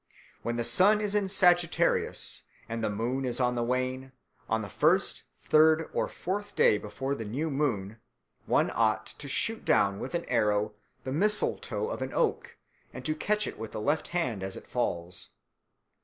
When the sun is in Sagittarius and the moon is on the wane, on the first, third, or fourth day before the new moon, one ought to shoot down with an arrow the mistletoe of an oak and to catch it with the left hand as it falls.